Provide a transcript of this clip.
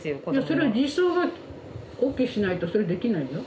それ児相がＯＫしないとそれできないよ。